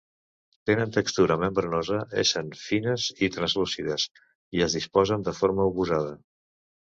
Tenen textura membranosa essent fines i translúcides i es disposen de forma oposada.